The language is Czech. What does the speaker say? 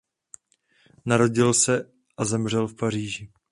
Narodil se a zemřel v Paříži.